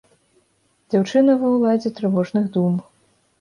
Дзяўчына ва ўладзе трывожных дум.